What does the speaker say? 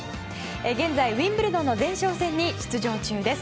現在、ウィンブルドンの前哨戦に出場中です。